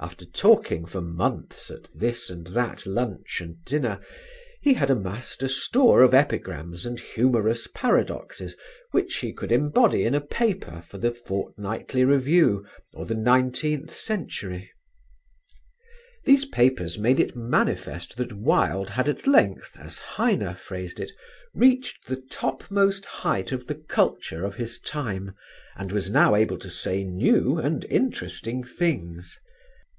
After talking for months at this and that lunch and dinner he had amassed a store of epigrams and humorous paradoxes which he could embody in a paper for The Fortnightly Review or The Nineteenth Century. These papers made it manifest that Wilde had at length, as Heine phrased it, reached the topmost height of the culture of his time and was now able to say new and interesting things.